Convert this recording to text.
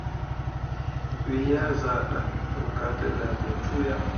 We yea zah ɗə, ruu ka tə laa ɓə cuu ya.